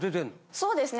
そうですね。